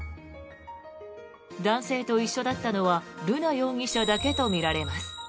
男性と一緒だったのは瑠奈容疑者だけとみられます。